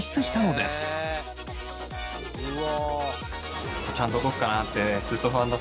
うわ。